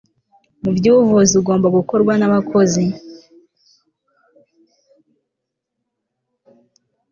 mu byubuvuzi ugomba gukorwa nabakozi